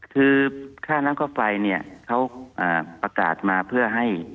คือค่าน้ำค่าไฟเนี่ยเขาประกาศมาเพื่อให้